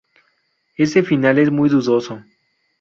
Ese final es muy dudoso.